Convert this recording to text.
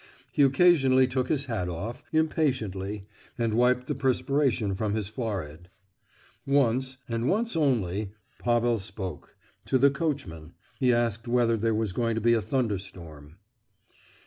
He occasionally took his hat off, impatiently, and wiped the perspiration from his forehead. Once—and once only—Pavel spoke, to the coachman, he asked whether there was going to be a thunder storm.